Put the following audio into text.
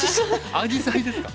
アジサイですか。